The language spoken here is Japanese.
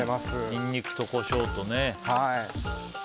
ニンニクとコショウとね。